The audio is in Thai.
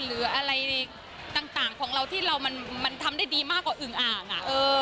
หรืออะไรต่างของเราที่เรามันทำได้ดีมากกว่าอึงอ่าง